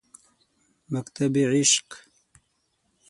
مکتبِ عشق